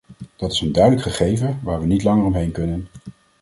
Dat is een duidelijk gegeven waar we niet langer om heen kunnen.